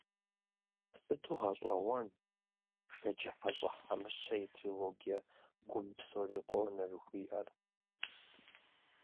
Сыту гъэщӏэгъуэн Шэджыхьэщӏэ Хьэмыщэ и трилогие «Гум псори къонэ» жыхуиӏэр!